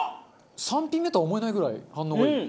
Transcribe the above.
３品目とは思えないぐらい反応がいい。